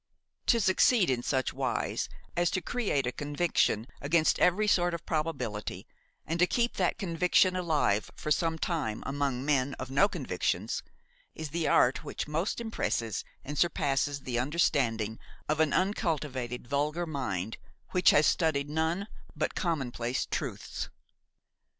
To succeed in such wise as to create a conviction against every sort of probability and to keep that conviction alive for some time among men of no convictions, is the art which most impresses and surpasses the understanding of an uncultivated, vulgar mind which has studied none but commonplace truths.